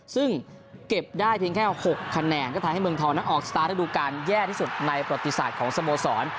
ซึ่งเก็บได้เพียงแค่๖คะแนนก็ทำให้เมืองทองนั้นออกสตาร์ทฤดูการแย่ที่สุดในประติศาสตร์ของสโมสร